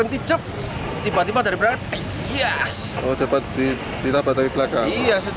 tiba tiba dari belakang